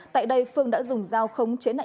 tại đây phương đã dùng dao khống chế nạn